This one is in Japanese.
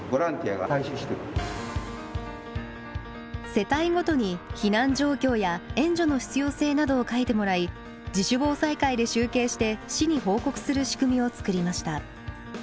世帯ごとに避難状況や援助の必要性などを書いてもらい自主防災会で集計して市に報告する仕組みを作りました。